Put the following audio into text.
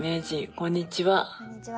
こんにちは。